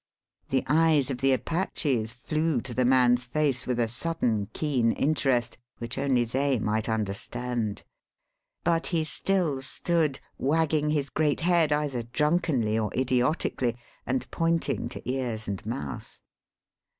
The eyes of the Apaches flew to the man's face with a sudden keen interest which only they might understand; but he still stood, wagging his great head either drunkenly or idiotically, and pointing to ears and mouth.